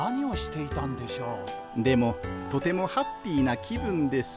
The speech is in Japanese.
でもとてもハッピーな気分です。